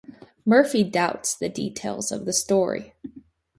Murphy doubts the details of the story.